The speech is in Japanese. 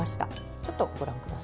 ちょっとご覧ください。